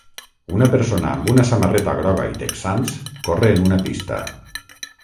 Una persona amb una samarreta groga i texans corre en una pista.